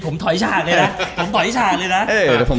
ผมถอยฉากเลยนะจะด่าเค้าอีก